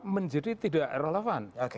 menjadi tidak relevan